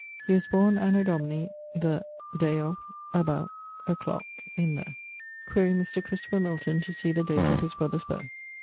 He was borne anno Domini ... the ... day of ..., about ... a clock, in the.... ☞ Quaere Mr. Christopher Milton to see the date of his brother's birth.